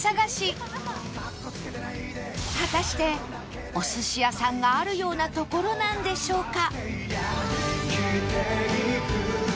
果たしてお寿司屋さんがあるような所なんでしょうか？